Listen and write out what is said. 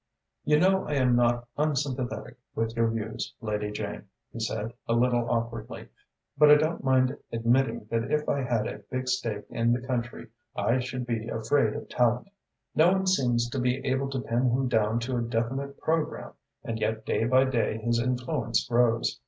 "You know I am not unsympathetic with your views, Lady Jane," he said, a little awkwardly, "but I don't mind admitting that if I had a big stake in the country I should be afraid of Tallente. No one seems to be able to pin him down to a definite programme and yet day by day his influence grows.